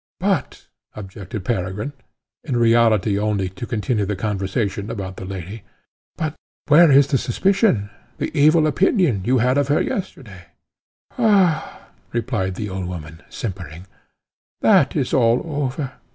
"But," objected Peregrine, in reality only to continue the conversation about the lady, "but where is the suspicion, the evil opinion, you had of her yesterday?" "Ah," replied the old woman simpering, "that is all over.